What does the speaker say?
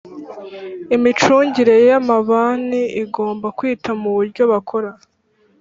Imicungire y amabani igomba kwita mu buryo bakora